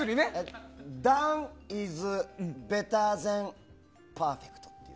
ダンイズベターゼンパーフェクト。